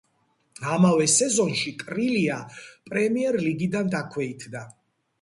ამავე სეზონში კრილია პრემიერ ლიგიდან დაქვეითდა.